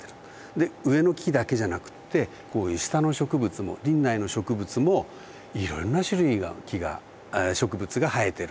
で上の木だけじゃなくってこういう下の植物も林内の植物もいろんな種類の木が植物が生えてると。